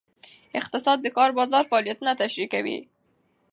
اقتصاد د کار بازار فعالیتونه تشریح کوي.